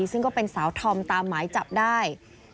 ซึ่งก็เป็นสาวธอมตามหมายจับได้